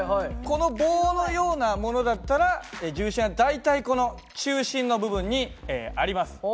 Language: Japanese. この棒のようなものだったら重心は大体この中心の部分にあります。